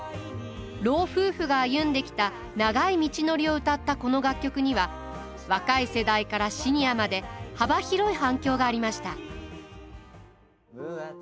老夫婦が歩んできた長い道のりを歌ったこの楽曲には若い世代からシニアまで幅広い反響がありました。